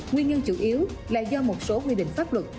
nguyên nhân chủ yếu là do một số quy định pháp luật